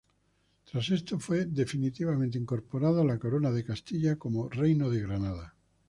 Tras esto fue definitivamente incorporado a la Corona de Castilla como Reino de Granada.